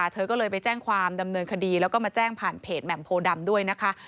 เธอก็เลยไปแจ้งความดำเนินคดีแล้วก็มาแจ้งผ่านเพจแหม่มโพดำด้วยนะคะ